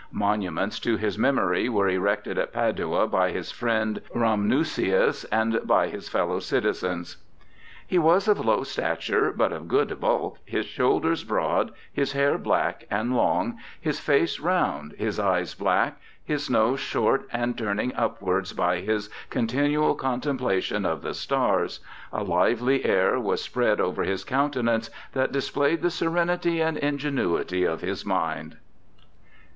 Monuments to his memory were erected at Padua by his friend Rhamnusius and by his fellow citizens. ' He was of low stature, but of good bulk, his shoulders broad, his hair black and long, his face round, his eyes black, his nose short and turning upwards by his continual contemplation of the stars; a lively air was spread over his countenance, that dis played the serenity and ingenuity of his mind.'